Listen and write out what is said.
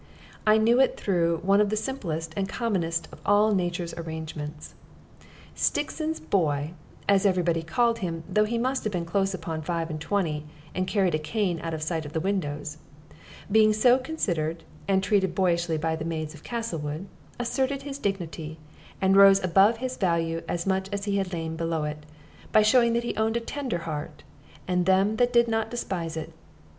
I knew it through one of the simplest and commonest of all nature's arrangements. Stixon's boy, as every body called him (though he must have been close upon five and twenty, and carried a cane out of sight of the windows), being so considered, and treated boyishly by the maids of Castlewood, asserted his dignity, and rose above his value as much as he had lain below it, by showing that he owned a tender heart, and them that did not despise it.